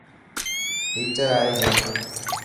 ٽيچر ائي گيو.